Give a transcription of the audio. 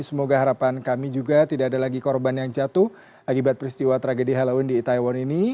semoga harapan kami juga tidak ada lagi korban yang jatuh akibat peristiwa tragedi halloween di itaewon ini